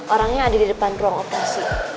orangnya ada di depan ruang operasi